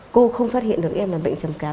cô không phát hiện được em là bệnh trầm cảm